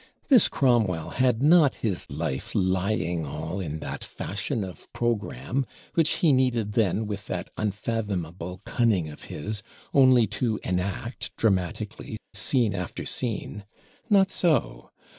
This Cromwell had not his life lying all in that fashion of Program, which he needed then, with that unfathomable cunning of his, only to enact dramatically, scene after scene! Not so.